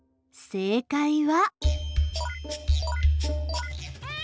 正解は。